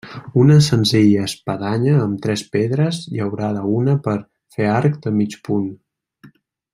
Una senzilla espadanya amb tres pedres, llaurada una per fer arc de mig punt.